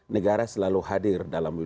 negara selalu hadir dalam